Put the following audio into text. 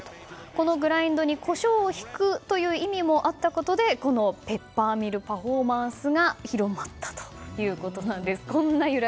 このｇｒｉｎｄにコショウをひくという意味もあったことでペッパーミルパフォーマンスが広まったということなんです。